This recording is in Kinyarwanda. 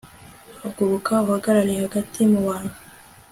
haguruka uhagarare hagati mu bantu